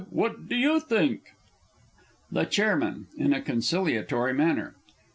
what do you think? The Chairman (in a conciliatory manner).